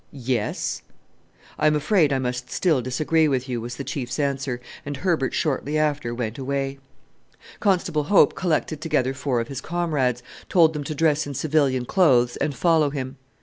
"Yes." "I am afraid I must still disagree with you," was the Chief's answer, and Herbert shortly after went away. Constable Hope collected together four of his comrades, told them to dress in civilian clothes and follow him.